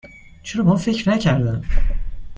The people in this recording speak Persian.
چرا به آن فکر نکردم؟